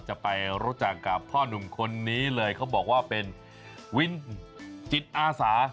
จะไปรู้จักกับพ่อหนุ่มคนนี้เลยเขาบอกว่าเป็นวินจิตอาสา